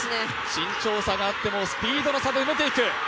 身長差があってもスピードの差で埋めていく。